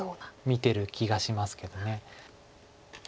見てる気がしますけど。